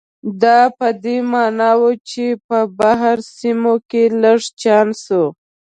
دا په دې معنا و چې په بهر سیمو کې لږ چانس و.